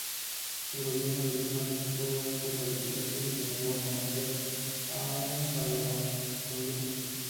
El Gobierno de Lima rechazó esa calificación y se negó a conceder un salvoconducto.